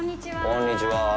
こんにちは。